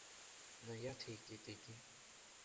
Наиаҭеикит егьи.